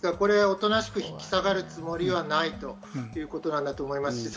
おとなしく引き下がるつもりはないということなんだと思います。